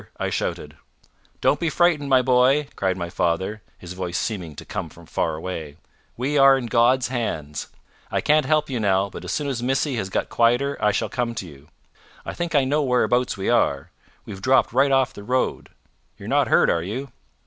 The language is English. I shouted. "Don't be frightened, my boy," cried my father, his voice seeming to come from far away. "We are in God's hands. I can't help you now, but as soon as Missy has got quieter, I shall come to you. I think I know whereabouts we are. We've dropped right off the road. You're not hurt, are you?"